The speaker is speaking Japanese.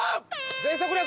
全速力！